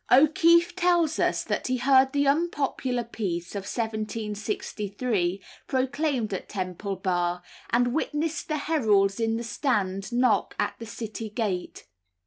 O'Keefe tells us that he heard the unpopular peace of 1763 proclaimed at Temple Bar, and witnessed the heralds in the Strand knock at the city gate.